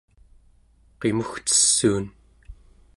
qimugcessuun